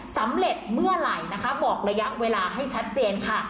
สำเร็จเมื่อไหร่นะคะบอกระยะเวลาให้ชัดเจนค่ะ